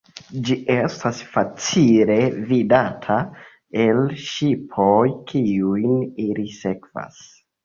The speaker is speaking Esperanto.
Ĝi estas facile vidata el ŝipoj, kiujn ili sekvas.